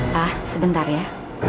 pak sebentar ya